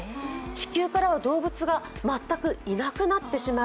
地球からは動物が全くいなくなってしまう。